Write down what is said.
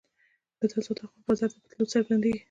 دا تضاد هغه وخت بازار ته په تلو څرګندېږي